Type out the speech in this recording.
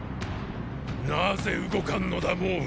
なぜ動かんのだ蒙武。